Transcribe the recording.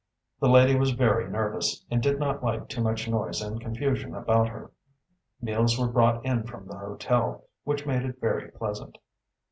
The lady was very nervous, and did not like too much noise and confusion about her. Meals were brought in from the hotel, which made it very pleasant.